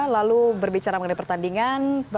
lalu berbicara mengenai pertandingan